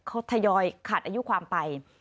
เขาทยอยขัดอายุความไป